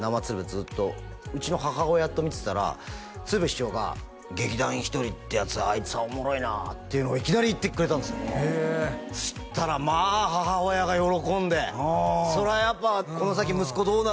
ずっとうちの母親と見てたら鶴瓶師匠が「劇団ひとりってヤツ」「あいつはおもろいな」っていうのをいきなり言ってくれたんですよへえそしたらまあ母親が喜んでおおそりゃあやっぱこの先息子どうなるんだ？